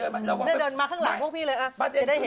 เดินมาข้างหลังพวกพี่เลย